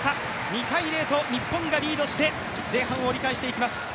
２−０と日本がリードして前半を折り返していきます。